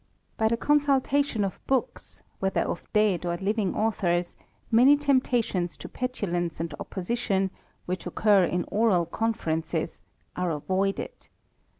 By ihe consultation of books, whether of dead or living^ amb ors, many" [einpfations to petulance and. opposition/! ■U tich occ ur in oral conferences, are avoided.